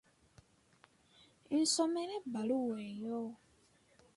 Nsomera ebbaluwa eyo.